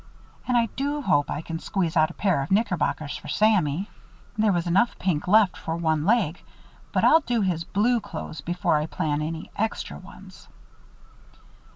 And I do hope I can squeeze out a pair of knickerbockers for Sammy. There was enough pink left for one leg but I'll do his blue clothes before I plan any extra ones."